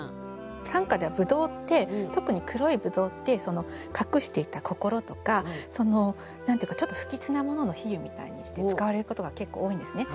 短歌ではぶどうって特に黒いぶどうって隠していた心とか何て言うかちょっと不吉なものの比喩みたいにして使われることが結構多いんですね。